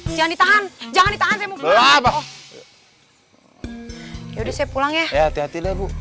jangan ditahan jangan ditahan saya mau pulang yaudah saya pulang ya hati hatilah bu